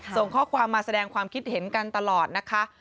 ส่งข้อความมาแสดงความคิดเห็นกันตลอดนะคะ